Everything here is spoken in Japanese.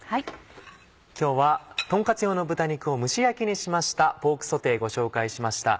今日はとんカツ用の豚肉を蒸し焼きにしましたポークソテーご紹介しました。